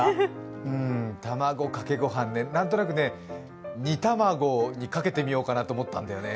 卵かけ御飯ね、何となく煮卵にかけてみようと思ったんだよね。